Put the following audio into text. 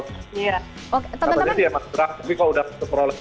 tapi kalau udah ke prolegnas